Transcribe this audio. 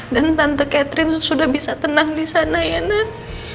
dan tante catherine sudah bisa tenang disana ya nak